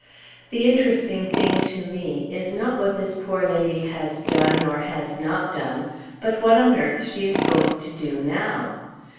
"The interesting thing, to me, is not what this poor lady has or has not done, but what on earth she is going to do now!"